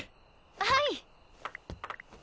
はい！